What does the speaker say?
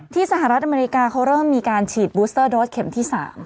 สหรัฐอเมริกาเขาเริ่มมีการฉีดบูสเตอร์โดสเข็มที่๓